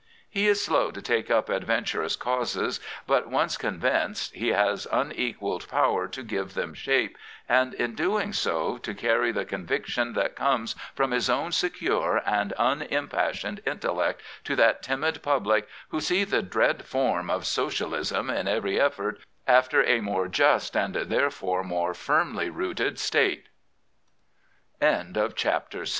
He is slow to take up adventurous causes, but, once convinced, he has unequalled power to give them shape and, in doing so, to carry the conviction that comes from his own secure and unimpassioned intellect to that timid public who see the dread form of *' Socialism " in every effort after a more just and therefore more firmly root